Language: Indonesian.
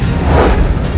aku mau makan